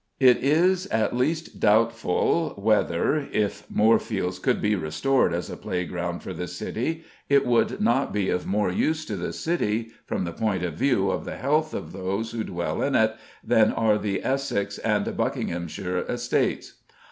It is at least doubtful whether, if Moorfields could be restored as a playground for the City, it would not be of more use to the City, from the point of view of the health of those who dwell in it, than are the Essex and Buckinghamshire estates.